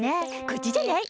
「こっちじゃない？」